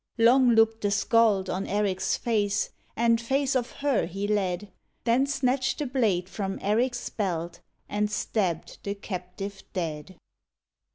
10 THE WITCH Long looked the skald on Erik s face And face of her he led; Then snatched the blade from Erik s belt And stabbed the captive dead.